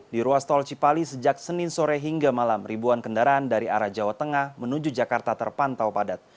di ruas tol cipali sejak senin sore hingga malam ribuan kendaraan dari arah jawa tengah menuju jakarta terpantau padat